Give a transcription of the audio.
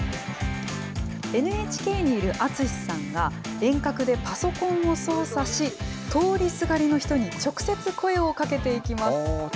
ＮＨＫにいる淳さんが、遠隔でパソコンを操作し、通りすがりの人に直接、声をかけていきます。